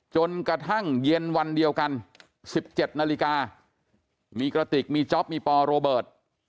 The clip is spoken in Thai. จนกระทั่งเย็นวันเดียวกัน๑๗นาฬิกามีกระติกมีจ๊อปมีปอโรเบิร์ต